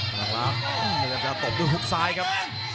พลังลักษณ์พยายามจะตบด้วยฮุกซ้ายครับ